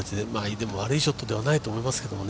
でも、悪いショットではないと思いますけどね。